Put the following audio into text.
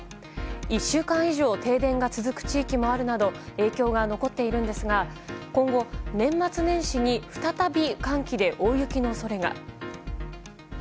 １週間以上停電が続く地域があるなど影響が残っているんですが今後、年末年始に再び寒気で大雪の恐れが。